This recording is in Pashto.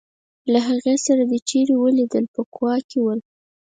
له هغې سره دي چېرې ولیدل په کوا کې ول.